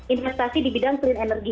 investasi di bidang clean energy